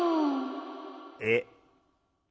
えっ？